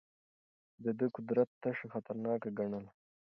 ده د قدرت تشه خطرناکه ګڼله.